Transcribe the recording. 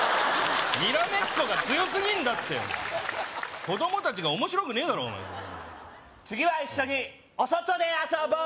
にらめっこが強すぎんだって子供達が面白くねえだろお前次は一緒にお外で遊ぼう！